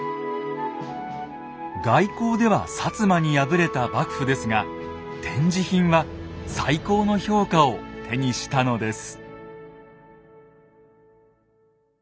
外交では摩に敗れた幕府ですが展示品は最高の評価を手にしたのです。